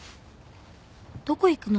どこ行くの？